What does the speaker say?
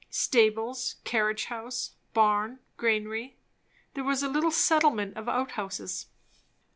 Stables, carriage house, barn, granary; there was a little settlement of outhouses.